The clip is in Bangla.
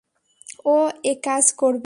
ও একাজ করবে।